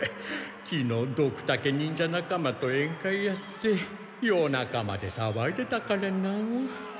きのうドクタケ忍者なかまとえん会やって夜中までさわいでたからなあ。